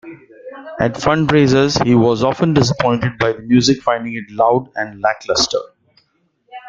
At fundraisers, he was often disappointed by the music, finding it loud and lackluster.